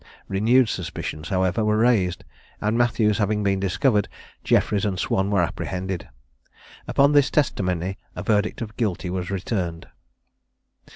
Renewed suspicions, however, were raised, and Matthews having been discovered, Jeffries and Swan were apprehended. Upon this testimony a verdict of Guilty was returned.